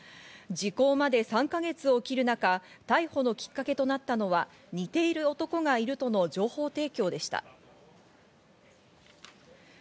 時効まで３か月を切る中、逮捕のきっかけとなったのは、似ている男がいるとの情報提供でした。